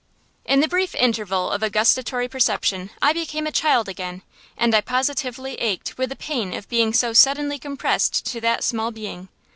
In the brief interval of a gustatory perception I became a child again, and I positively ached with the pain of being so suddenly compressed to that small being.